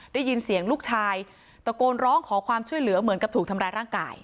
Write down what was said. ได้ยินเสียงลูกชายตะโกนร้องขอความช่วยเหลือเหมือนกับถูกทำร้ายร่างกาย